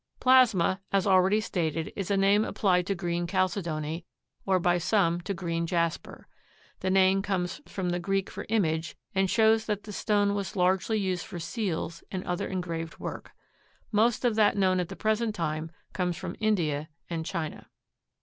Plasma, as already stated, is a name applied to green chalcedony, or by some to green jasper. The name comes from the Greek for image and shows that the stone was largely used for seals and other engraved work. Most of that known at the present time comes from India and China.